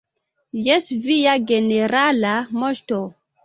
Jes, Via Generala Moŝto.